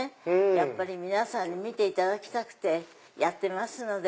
やっぱり皆さんに見ていただきたくてやってます。